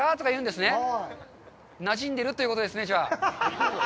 なじんでるってことですね、じゃあ。